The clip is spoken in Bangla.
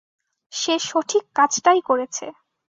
সে সঠিক কাজটাই করেছে।